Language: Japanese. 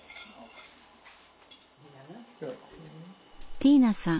ティーナさん